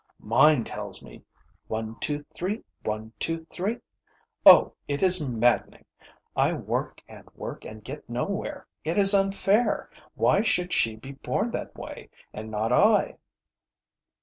Mine tells me, 'one two three, one two three.' Oh, it is maddening! I work and work and get nowhere. It is unfair. Why should she be born that way, and not I?"